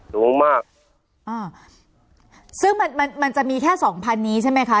สูงมากอ่าซึ่งมันมันมันจะมีแค่สองพันนี้ใช่ไหมคะ